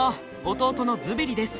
弟のズベリです。